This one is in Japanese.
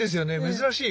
珍しい。